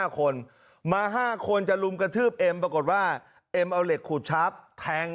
๕คนมา๕คนจะลุมกระทืบเอ็มปรากฏว่าเอ็มเอาเหล็กขูดชาร์ฟแทง